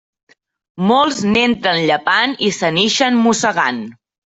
Molts n'entren llepant i se n'ixen mossegant.